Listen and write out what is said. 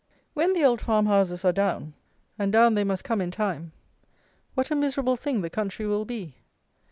When the old farmhouses are down (and down they must come in time) what a miserable thing the country will be!